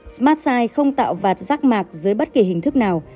smartsight không tạo vạt rác mạc dưới bất kỳ hình thức nào